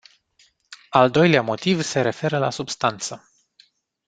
Al doilea motiv se referă la substanță.